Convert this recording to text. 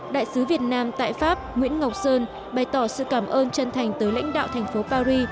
đại sứ việt nam tại pháp nguyễn ngọc sơn bày tỏ sự cảm ơn chân thành tới lãnh đạo thành phố paris